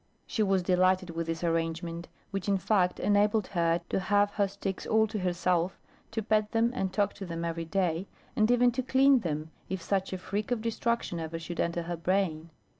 She was delighted with this arrangement, which in fact enabled her to have her "sticks" all to herself, to pet them and talk to them every day, and even to clean them, if such a freak of destruction ever should enter her brain.